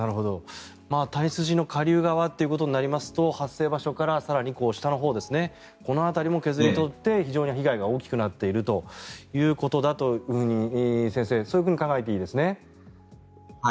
谷筋の下流側ということになりますと発生場所から更に下のほうこの辺りも削り取って非常に被害が大きくなっているということだとはい。